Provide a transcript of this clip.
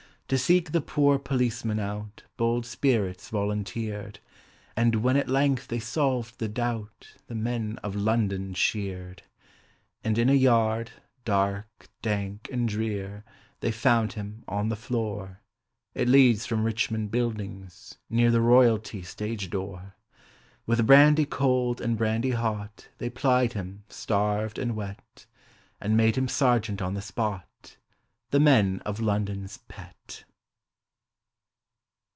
To seek the poor policeman out Bold spirits volunteered, And when at length they solved the doubt The Men of London cheered. And in a yard, dark, dank, and drear, They found him, on the floor (It leads from Richmond Buildings near The Royalty stage door.) With brandy cold and brandy hot They plied him, starved and wet, And made him sergeant on the spot The Men of London's pet!